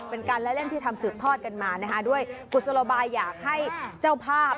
เป็นการละเล่นที่ทำสืบทอดกันมานะคะด้วยกุศโลบายอยากให้เจ้าภาพ